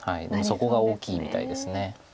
そこが大きいみたいです。